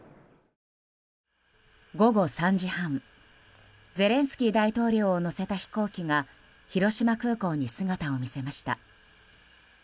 午後３時半ゼレンスキー大統領を乗せた飛行機が広島空港に姿を見せました。